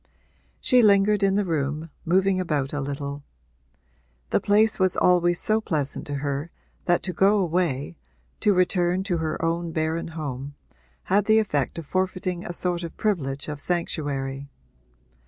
She lingered in the room, moving about a little; the place was always so pleasant to her that to go away to return to her own barren home had the effect of forfeiting a sort of privilege of sanctuary.